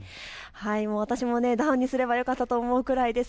私もダウンにすればよかったと思うくらいです。